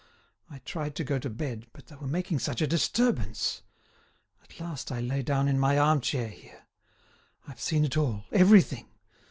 —I tried to go to bed, but they were making such a disturbance! At last I lay down in my arm chair here. I've seen it all, everything.